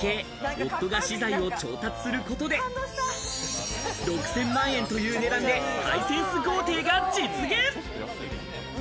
夫が資材を調達することで６０００万円という値段でハイセンス豪邸が実現。